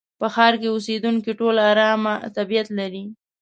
په ښار کې اوسېدونکي ټول ارامه طبيعت لري.